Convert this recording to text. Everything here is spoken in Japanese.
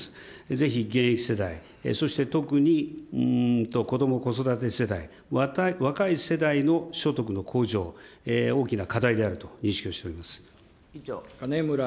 ぜひ現役世代、そして特に子ども・子育て世代、若い世代の所得の向上、大きな課題であると認識をしております。